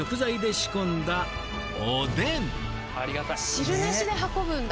汁なしで運ぶんだ。